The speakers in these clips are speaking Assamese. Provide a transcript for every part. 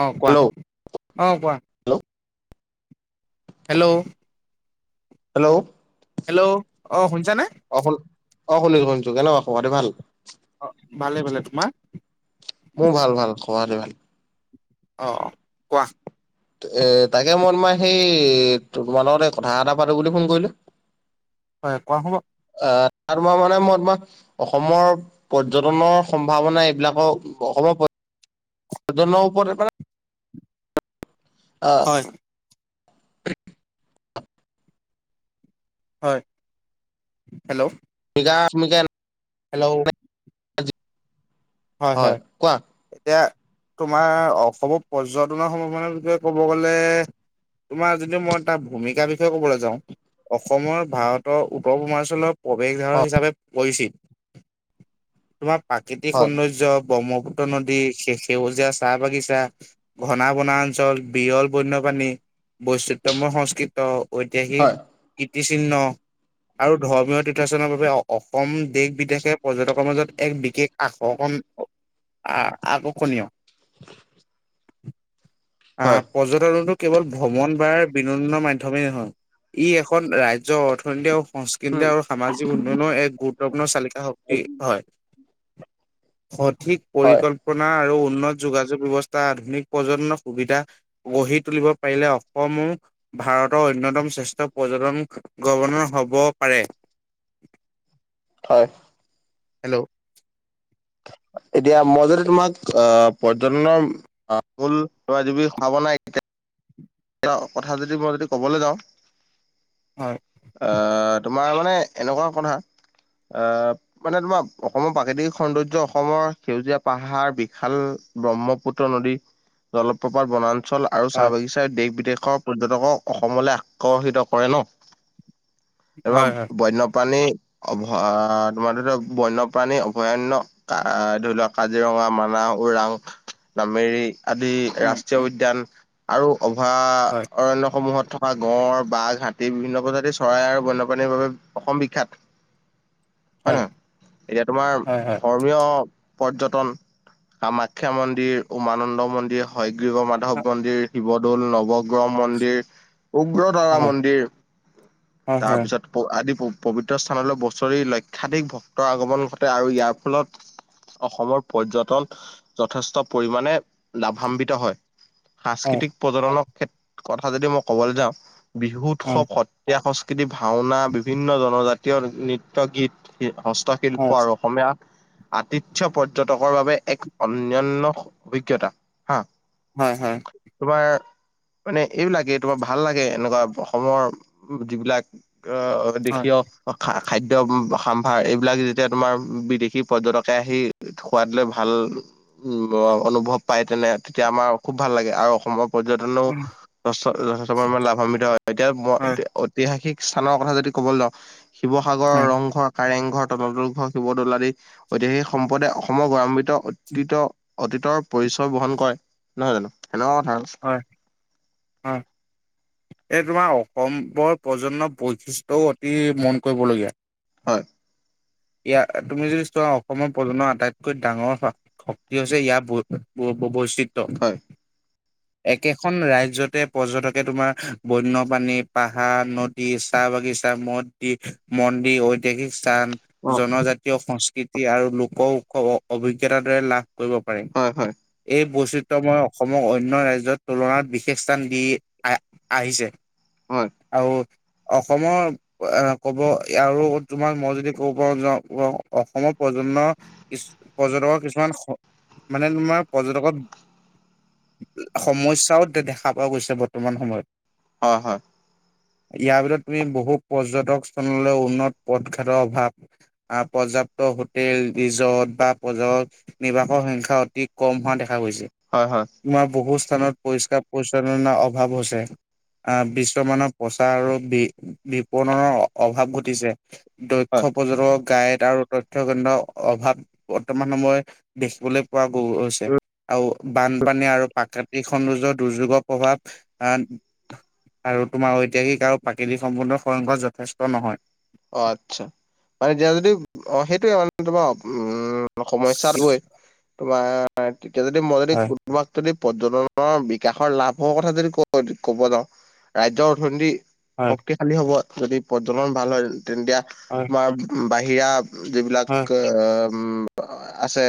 অ কোৱা, হেল্ল' অ কোৱা। হেল্ল'। হেল্ল'। হেল্ল'। হেল্ল' অ শুনিছানে? অ, শু অ, শুনিছো শুনিছো। কেনেকা খবৰ খাতি ভাল? অ ভালে ভালে, তোমাৰ? মোৰ ভাল ভাল, খবৰ খাতি ভাল। অঁহ এ তাকে মই তোমাৰ সেই, তোমাৰ লগতে কথা এটা পাতো বুলি ফোন কৰিলো। হয় কোৱা বাও। অঁ তোমাৰ মানে মই তোমাক- অসমৰ পৰ্যটনৰ সম্ভাৱনা, এইবিলাকৰ অসমৰ জন উপৰত মানে আহ হয়, হয়, হেল্ল' মিগা মিকেন হেল্ল' হয় হয়। এতিয়া তোমাৰ অসমৰ পৰ্যটনৰ সম্ভাৱনাৰ বিষয়ে ক'ব গ'লে তোমাৰ যদি মই তাৰ ভূমিকাৰ বিষয়ে কবলৈ যাওঁ। অসমৰ ভাৰতৰ উত্তৰ পূৰ্বাঞ্চলত- প্ৰৱেশধাৰা অ হিচাপে পৰিচিত, তোমাৰ প্ৰাকৃতিক হয় সৌন্দৰ্য। ব্ৰহ্মপুত্ৰ নদী, সেউজীয়া চাহ বাগিচা। ঘনা বনাঞ্চল, বিয়ল বন্যপাণী, বৈচিতময় সংস্কৃত, ঐতিহাসিক হয় কীৰ্তিচিহ্ন, আৰু ধৰ্মীয় তীৰ্থস্থানৰ বাবে, অসম দেশ বিদেশে পৰ্যটকৰ মাজত এক বিশেষ আৰ্কষন আৰ্কষনীয়। [inaudible] হয় আহ' পৰ্যটন টো কেৱল ভ্ৰমণ বা বিনোদনৰ মাধ্যমেই নহয়, ই এখন ৰাজ্যৰ অৰ্থনীতি উম সংস্কৃতি আৰু সামাজিক উন্নয়নো এক গুৰুত্বপূৰ্ণ চালিকা শক্তি হয়। সঠিক হয় পৰিকল্পনা আৰু উন্নত যোগাযোগ ব্যৱস্থা আধুনিক প্ৰজন্মৰ সুবিধা। গঢ়ি তুলিব পাৰিলে অসম ও ভাৰতৰ অন্যতম শ্ৰেষ্ঠ পৰ্যটন গৱণৰ হব পাৰে। হয়। হেল্ল' এতিয়া মই যদি তোমাক অ' পৰ্যটনৰ ফুল - এ কথা যদি মই যদি কবলৈ যাওঁ, হয় আহ তোমাৰ মানে এনেকুৱা কথা, অ‍ঁহ মানে তোমাৰ অসমৰ প্ৰাকৃতিক সৌন্দৰ্য, অসমৰ সেউজীয়া পাহাৰ বিশাল। ব্ৰহ্মপুত্ৰ নদী, জলপ্ৰপাত বনাঞ্চল- আৰু চাহ হয় বাগিচাই দেশ বিদেশৰ পৰ্যটকক অসমলৈ আকৰ্ষিত কৰে ন। এ হয় হয় বন্যপ্ৰাণী- অভয় তোমাৰ বন্যপ্ৰাণী অভয়াৰণ্য। ধৰি লোৱা কাজিৰঙা, মানাহ, ওৰাং নামেৰি- আদি উম ৰাষ্ট্ৰীয় উম উদ্যান আৰু হয় অভয়াৰণ্যসমূহত থ- গঁড়, বাঘ, হাতী বিভিন্ন প্ৰজাতিৰ চৰাই আৰু বন্যপ্ৰাণীৰ বাবে অসম বিখ্যাত। হয় নহয়, এতিয়া তোমাৰ হয় ধৰ্ম- হয়। ধৰ্মীয় পৰ্যটন কামাখ্যা মন্দিৰ উমানন্দ মন্দিৰ হয়গ্ৰীৱ মাধৱ মন্দিৰ, শিৱদৌল, নৱগ্ৰহ মন্দিৰ, হয় উগ্ৰতাৰা হয় মন্দিৰ- হয় হয় তাৰপিছত- আদি পৱিত্ৰ স্থানলৈ বছৰি লক্ষাধিক ভক্তৰ আগমন ঘটে আৰু ইয়াৰ ফলত- অসমৰ পৰ্যটন যথেষ্ট পৰিমাণে লাভান্বিত হয়। হয় সাংস্কৃতিক প্ৰজনৰ ক্ষেত্ৰ কথা যদি মই ক'বলৈ যাওঁ বিহু হয় উৎসৱত- ইয়া সংস্কৃতি ভাওনা বিভিন্ন জনজাতীয় নৃত্য গীত হস্তক্ষেপ- শিল্প হয় হয় আৰু অসমীয়া- আতিথ্য পৰ্যটকৰ বাবে এক অনায়ান্য অভিজ্ঞতা হা। হয় হয় তোমাৰ মানে এইবিলাকে তোমাৰ ভাল লাগে এনেকুৱা অসমৰ যিবিলাক আহ দেখিয় খা খাদ্য সমাম্ভাৰ এইবিলাক যেতিয়া তোমাৰ বিদেশী পৰ্যটকে আহি সোৱাদ লৈ ভাল উ অনুভৱ পায় তেনে তেতিয়া আমাৰ খুব ভাল লাগে আৰু অসমক পৰ্যটনেও যথেষ্ট পৰিমাণে লাভান্বিত হয় এতিয়া হয় ঐতিহাসিক স্থানৰ কথা যদি ক'ব যাওঁ শিৱসাগৰৰ ৰংঘৰ কাৰেংঘৰ, তলা তলঘৰ, শিৱদৌল আদি ঐতিহাসিক সম্পদে অসমৰ গৌৰৱান্বিত অতীত অতীতৰ পৰিচয় বহন কয় নহয় জানো সেনেকুৱা কথা আৰু হয় হয় এই তোমাৰ অসমৰ প্ৰজন্ম বৈশিষ্ট্য অতি মন কৰিবলগীয়া হয় ইয়াৰ তুমি যদি চোৱা অসমৰ প্ৰজন্ম আটাইতকৈ ডাঙৰ শ শক্তি হৈছে ইয়াৰ বৈ বৈ বৈচিত্ৰ হয় একেখন ৰাজ্যতে পৰ্যটকে তোমাৰ বন্যপ্ৰাণী, পাহাৰ, নদ দি, চাহ বাগিচা, মদদি, মন্দিৰ ঐতিহাসিক স্থান অ জনজাতীয় সংস্কৃতি আৰু লোক উৎস অভিজ্ঞতাৰ দৰে লাভ কৰিব পাৰে হয় হয় এই বৈচিত্ৰ্য মই অসমক অন্য ৰাজ্যত তুলনাত বিশেষ স্থান দি আহ আহিছে হয় আও অসমৰ কব আৰু তোমাৰ মই যদি ক পৰা যাওঁ অসমৰ প্ৰজন্ম পৰ্যটকৰ কিছুমান মানে তোমাৰ পৰ্যটকত সমস্যাও দেখা পোৱা গৈছে বৰ্তমান সময়ত হয় হয় ইয়াৰ ভিতৰত তুমি বহুত পৰ্যটক স্থললৈ উন্নত পদঘাতৰ অভাৱ পৰ্যাপ্ত হোটেল ৰিজৰ্ট বা পজত নিবাসৰ সংখ্যা অতি কম হোৱা দেখা গৈছে। হয় হয় তোমাৰ বহু স্থানত পৰিষ্কাৰ পৰিচ্ছন্নাৰ অভাৱ হৈছে। আহ বিশ্বমানৰ প্ৰচাৰ আৰু বি বিপণনৰ অভাৱ ঘটিছে হয় উক্ষ পৰ্যটক গায়ত আৰু তথ্য কেন্দ্ৰ অভাৱ বৰ্তমান সময় দেখিবলৈ পোৱা গৈছে উম, আও বানপানী আৰু প্ৰাকৃতিক সৌন্দৰ্যৰ, দুৰ্যোগৰ প্ৰভাৱ আন আৰু তোমাৰ ঐতিহাসিক আৰু প্ৰাকৃতিক সম্পদৰ খনল কৰা [unintelligible] যথেষ্ট নহয়। অ', আচ্ছা, মানে এতিয়া যদি অ', সেইটোয়ে মানে তোমাৰ উম সমস্যাত গৈ তোমাৰ তেতিয়া যদি মই যদি হয় তোমাক যদি পৰ্যটনৰ বিকাশৰ লাভ হোৱা কথা যদি ক ক'ব যাওঁ ৰাজ্যৰ অৰ্থনীতি হয় শক্তিশালী হ'ব যদি পৰ্যটন ভাল হয় তেনতিয়া হয় তোমাৰ বাহিৰা যিবিলাক হয় অ', উম আছে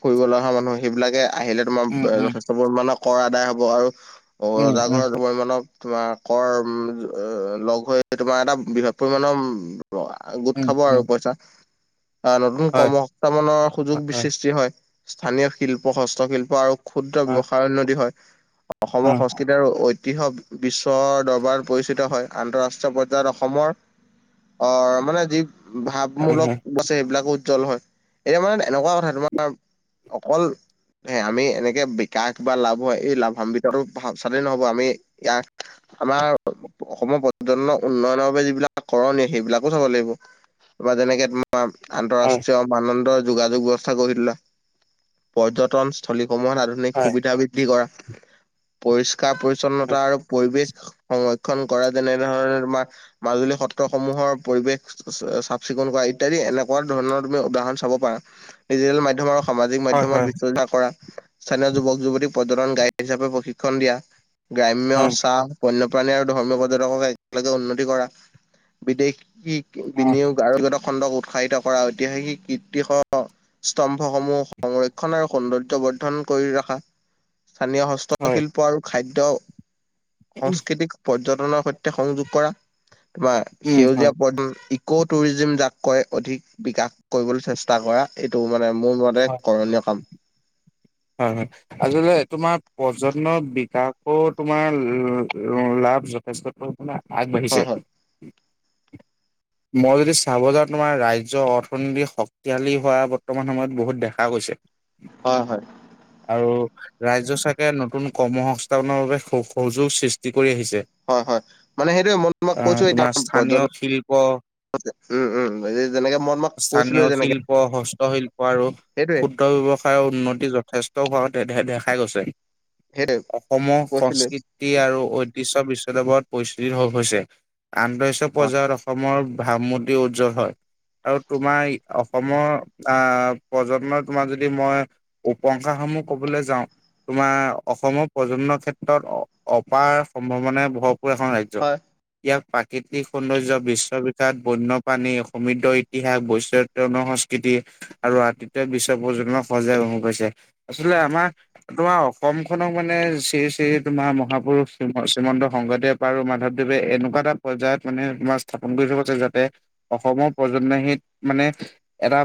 ফুৰিব লগা মানুহ সেইবিলাকে আহিলে তোমাৰ উম উম যথেষ্ট চবৰ মানে কৰ আদায় হ'ব আৰু উম ৰজা উম ঘৰ দুবৰি মনক তোমাৰ কৰ উম লগ হৈ তোমাৰ এটা বৃহৎ পৰিমাণৰ গোট উম খাব আৰু উম পইচা। অ', নতুন হয় কৰ্ম সংস্থাপনৰ সুযোগ সৃষ্টি হয়, স্থানীয় শিল্প হস্তশিল্প আৰু ক্ষুদ্ৰ হয় বৱসায়ৰ উন্নতি হয় অসমৰ হয় সংস্কৃ যি আৰু ঐতিহ্য বিশ্বৰ দৰবাৰত পৰিচিত হয় আন্তঃৰাষ্ট্ৰীয় পৰ্যায়ত অসমৰ অ', মানে যি ভাৱমূলক হয় বছে সেইবিলাকো উজ্জ্বল হয়, এতিয়া মানে এনেকুৱা কথা তোমাৰ অকল এ আমি এনেকে বিকাশ বা লাভ হয় এই লাভাম্বিতটো ভা চালেই নহ'ব আমি ইয়াক আমাৰ অসমৰ পৰ্যটনৰ উন্নয়নৰ বাবে যিবিলাক কৰণী সেইবিলাকো চাব লাগিব। তাপা যেনেকে তোমাৰ হয় আন্তঃৰাষ্ট্ৰীয় মান দণ্ডৰ যোগাযোগ ব্যৱস্থা গঢ়ি তোলা। পৰ্যটন স্থলী সমূহত আধুনিক হয় সুবিধা বৃ বৃদ্ধি কৰা, পৰিষ্কাৰ পৰিছন্নতা হয় আৰু পৰিৱেশ সংৰক্ষণ কৰা যেনেধৰণে তোমাৰ মাজুলী সত্ৰ সমূহৰ পৰিৱেশ চ চাফ চিকুণ কৰা ইত্যাদি এনেকুৱা ধৰণৰ তুমি উদাহৰণ চাব পাৰা। ডিজিটেল মাধ্যমৰ সামাজিক হয় হয় মাধ্যমত হয় বিচৰ্চা কৰা, স্থানীয় যুৱক যুৱতীক পৰ্যটন গাইড হিচাপে প্ৰশিক্ষণ দিয়া। গ্ৰাম্য চাহ, বন্যপ্ৰাণী আৰু ধৰ্মীয় পৰ্যটকক একেলগে উন্নতি কৰা। বিদেশী উম বিনিয়োগ আৰোপিত খণ্ডক উৎসাহিত কৰা ঐতিহাসিক কীৰ্তি সহ স্তম্ভসমূহ সংৰক্ষণ আৰু সৌন্দৰ্য্য বৰ্ধন কৰি ৰখা, স্থানীয় হ হস্ত হয় শিল্প আৰু খাদ্য সংস্কৃতিক পৰ্যটনৰ সৈতে সংযোগ কৰা তোমাৰ উম সেউজীয়া হয় প ক' টুৰিজিম যাক কয় অধিক বিকাশ কৰিবলৈ চেষ্টা টা কৰা এইটো মানে মোৰ মতে এক কৰণীয় কাম। হয় হয়। আচলতে তোমাৰ পৰ্যটনৰ বিকাশৰো তোমাৰ ল ল লাভ যথেষ্ট পৰিমাণে হয় হয় আগবাঢ়িছে। [inaudible] মই যদি চাব যাওঁ তোমাৰ ৰাজ্যৰ অৰ্থনীতি শক্তিশালী হোৱা বৰ্তমান সময়ত বহুত দেখা গৈছে। হয় হয়। আৰু ৰাজ্য চৰকাৰে নতুন কৰ্ম সংস্থাপনৰ বাবে সু সুযোগ সৃষ্টি কৰি আহিছে। হয় হয় মানে সেইটোয়ে মই তোমাক আ কৈছো এতিয়া তোমাৰ পৰ্যটন স্থানীয় শিল্প উম উম, আজি যেনেকে মন ম স্থানীয় শিল্প, হস্তশিল্প আৰু সেইটোৱে ক্ষুদ্ৰ ব্যৱস সায় উন্নতি যথেষ্ট হোৱা দে দে দেখা গৈছে। সেইটোৱে অসমৰ কৈছিলোৱে সংস্কৃত তি আৰু ঐতিহ্য বিশ্বদেবত পৰিচিত হৈছে। আন্তৰাষ্ট্ৰীয় হয় পৰ্যায়ত অসমৰ ভাব মূৰ্তি উজ্জ্বল হয়। আৰু তোমাৰ অসমৰ আ পৰ্যটনৰ তোমাক যদি মই উপংসা সমূহ ক'বলে যাওঁ। তোমাৰ অসমৰ পৰ্যটনৰ ক্ষেত্ৰত অ অপাৰ সম্ভাৱনাৰে ভৰপূৰ এখন ৰাজ্য। হয় ইয়াক প্ৰাকৃতিক সৌন্দৰ্য বিশ্ববিখ্যাত বন্যপ্ৰাণী সমৃদ্ধ ইতিহাস বৈচ জনসংস্কৃতি আৰু আতি [unintelligible] বিশ্ব পৰ্যটক সজাগ হৈ পৰিছে আচলতে আমাৰ তোমাৰ অসমখনক মানে শ্ৰী শ্ৰী তোমাৰ মহাপুৰুষ শ্ৰী শ্ৰীমন্ত শংকৰদেৱ বাৰু মাধৱদেৱে এনেকুৱা এটা পৰ্যায়ত মানে তোমাৰ স্থাপন কৰি থৈ গৈছে যাতে অসমৰ পৰ্যটনৰ হেৰীত মানে এটা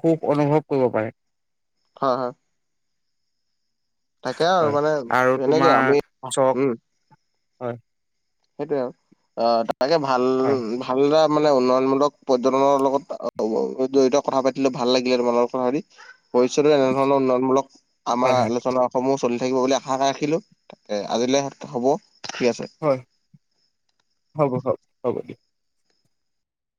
সুখ অনুভৱ কৰিব পাৰে। হয় হয়। তাকে আৰু হয় মানে আৰু এনেকে তোমাৰ আমি চখ উম। হয় সেইটোৱে আৱ অঁ তাকে ভাল হয় উম ভাল দৰে মানে উন্নয়নমূলক পৰ্যটনৰ লগত ৱ জড়িত কথা পাতিলো ভাল লাগিলে তোমাৰ লগত কথা পাতি। ভবিষ্যতো এনেধৰণৰ উন্নয়নমূলক হয় আমাৰ হয় আলোচনা সমূহ চলি থাকিব বুলি আশা এটা ৰাখিলোঁ। তাকে আজিলৈ হ'ব ঠিক আছে। হয়। হ'ব হ'ব হ'ব দিয়া।